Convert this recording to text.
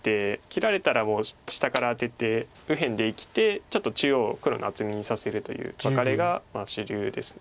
切られたら下からアテて右辺で生きてちょっと中央黒の厚みにさせるというワカレが主流です。